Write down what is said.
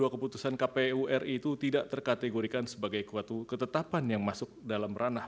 keputusan kpu ri itu tidak terkategorikan sebagai suatu ketetapan yang masuk dalam ranah